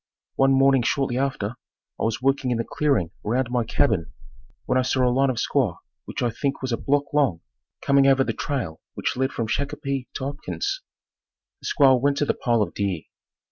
One morning shortly after, I was working in the clearing around my cabin, when I saw a line of squaws which I think was a block long, coming over the trail which led from Shakopee to Hopkins. The squaws went to the pile of deer.